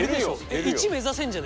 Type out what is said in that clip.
１目指せんじゃね